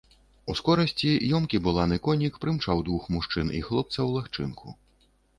Ускорасці ёмкі буланы конік прымчаў двух мужчын і хлопца ў лагчынку.